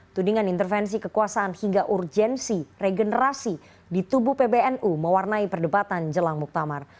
tudingan intervensi kekuasaan hingga urgensi regenerasi di tubuh pbnu mewarnai perdebatan jelang muktamar